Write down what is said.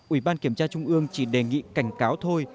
ủy ban kiểm tra trung ương chỉ đề nghị cảnh cáo thôi